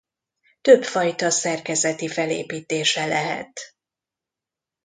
Több fajta szerkezeti felépítése lehet.